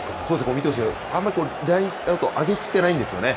見てほしいんですけど、あんまりこれ、ラインアウト、上げきってないんですよね。